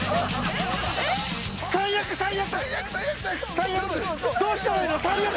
最悪。